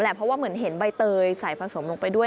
เพราะว่าเหมือนเห็นใบเตยใส่ผสมลงไปด้วย